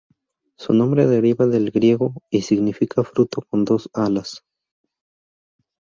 Su nombre deriva del griego y significa "fruto con dos alas".